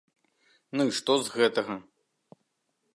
Ну і што з гэтага!